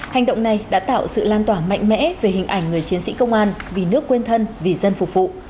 hành động này đã tạo sự lan tỏa mạnh mẽ về hình ảnh người chiến sĩ công an vì nước quên thân vì dân phục vụ